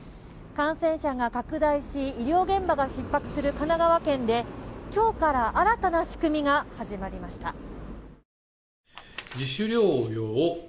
感染者が拡大し医療現場がひっ迫する神奈川県で今日から新たな仕組みが始まりました。